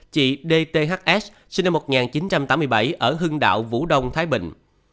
một mươi một chị d t h sinh năm một nghìn chín trăm tám mươi bảy ở hưng đạo vũ đông thái bình